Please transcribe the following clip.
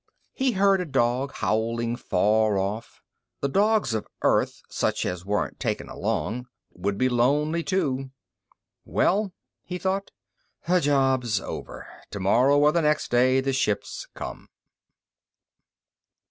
He heard a dog howling far off. The dogs of Earth such as weren't taken along would be lonely, too. Well, he thought, _the job's over. Tomorrow, or the next day, the ships come.